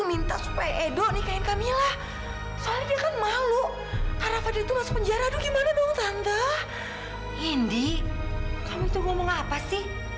indi kamu itu ngomong apa sih